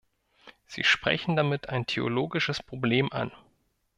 Sie sprechen damit ein theologisches Problem an.